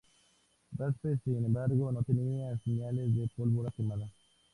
Raspe, sin embargo, no tenía señales de pólvora quemada.